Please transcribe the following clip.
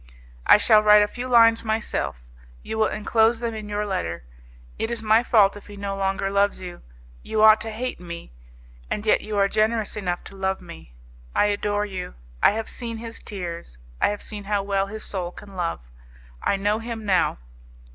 I shall write a few lines myself; you will enclose them in your letter. It is my fault if he no longer loves you; you ought to hate me, and yet you are generous enough to love me. I adore you; I have seen his tears, I have seen how well his soul can love; I know him now.